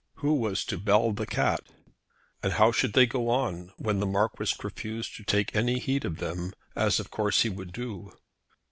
Who was to bell the cat? And how should they go on when the Marquis refused to take any heed of them, as, of course, he would do?